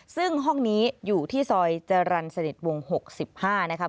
ซึ่งห้องนี้อยู่ที่ซอยจรรย์สนิทวง๖๕นะครับ